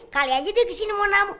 kali aja deh ke sini mau namu